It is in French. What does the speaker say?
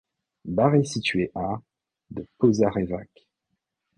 Bare est situé à de Požarevac.